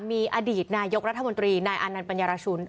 มีอดีตนายกรัฐมนตรีนายอานันต์ปัญญารชุน